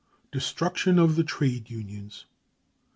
Destruction of the Trade Unions.